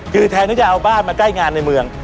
คือแทนที่จะเอาบ้านมาใกล้งานในเมือง